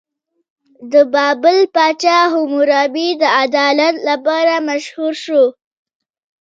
د بابل پاچا حموربي د عدالت لپاره مشهور شو.